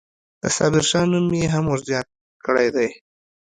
د صابرشاه نوم یې هم ورزیات کړی دی.